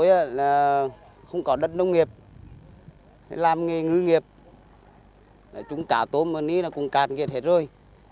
phương nhung tô là không có đất nông nghiệp làm nghề ngư nghiệp chúng cả tốm và ní là cùng cạt nghiệp hết rồi